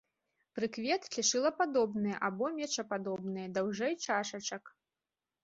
Прыкветкі шылападобныя або мечападобныя, даўжэй чашачак.